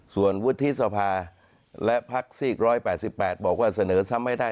ส่วนวุฒิสภาและพักซีก๑๘๘บอกว่าเสนอซ้ำไม่ได้